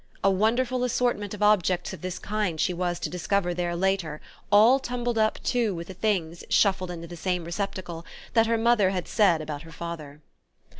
A wonderful assortment of objects of this kind she was to discover there later, all tumbled up too with the things, shuffled into the same receptacle, that her mother had said about her father.